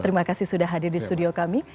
terima kasih sudah hadir di studio kami